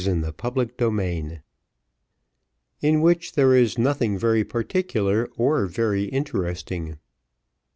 Chapter XXXIII In which there is nothing very particular or very interesting.